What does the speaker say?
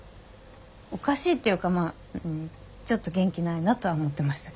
おかしいっていうかまあちょっと元気ないなとは思ってましたけど。